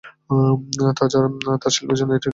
তাছাড়া তাঁত শিল্পের জন্যও এটি অধিক পরিচিত।